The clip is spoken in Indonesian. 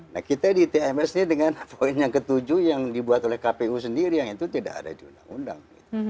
nah kita di tms ini dengan poin yang ketujuh yang dibuat oleh kpu sendiri yang itu tidak ada di undang undang